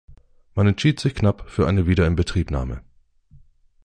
Man entschied sich knapp für eine Wiederinbetriebnahme.